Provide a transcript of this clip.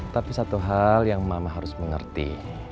tapi satu hal yang mama harus mengerti